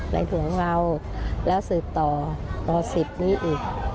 ในห่วงเราแล้วสืบต่อม๑๐นี้อีก